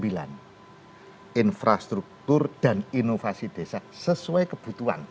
infrastruktur dan inovasi desa sesuai kebutuhan